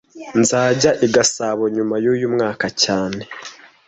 Nzajya i Gasabo nyuma yuyu mwaka cyane